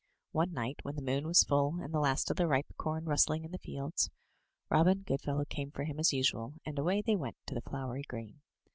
One night, when the moon was full, and the last of the ripe com rustling in the fields, Robin Goodfellow came for him as usual, and away they went to the flowery green.